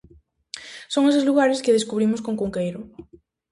Son eses lugares que descubrimos con Cunqueiro.